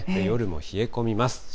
夜も冷え込みます。